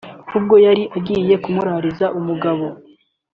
ubwo yari agiye kumurariza umugore